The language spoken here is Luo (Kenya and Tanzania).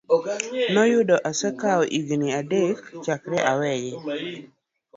noyudo osekawo higini adek chakre oweye.